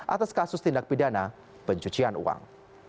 atas kasus tindak pidana pencucian uang